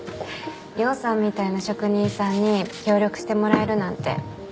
ヨウさんみたいな職人さんに協力してもらえるなんて